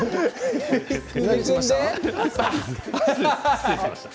失礼しました。